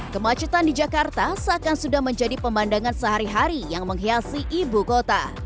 kemacetan di jakarta seakan sudah menjadi pemandangan sehari hari yang menghiasi ibu kota